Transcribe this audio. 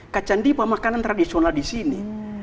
kacandipa makanan tradisional di sini